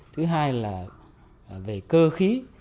thứ hai là về cơ khí